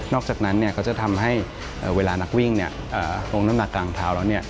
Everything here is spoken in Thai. อกจากนั้นเขาจะทำให้เวลานักวิ่งลงน้ำหนักกลางเท้าแล้ว